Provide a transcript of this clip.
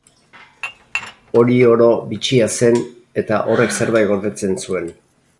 Hori oro bitxia zen eta horrek zerbait gordetzen zuen.